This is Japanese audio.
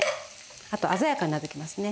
あと鮮やかになってきますね。